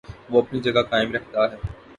وہ اپنی جگہ قائم رہتا ہے۔